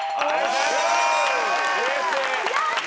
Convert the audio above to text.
やった！